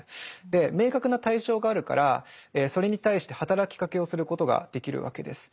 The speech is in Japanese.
明確な対象があるからそれに対して働きかけをすることができるわけです。